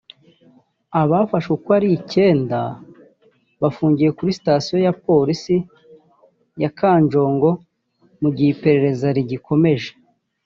Abafashwe uko ari icyenda bafungiye kuri sitasiyo ya Polisi ya Kanjongo mu gihe iperereza rigikomeje